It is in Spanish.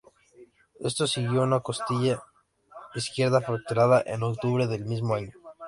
Esto siguió a una costilla izquierda fracturada en octubre del mismo año.